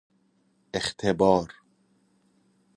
اختبار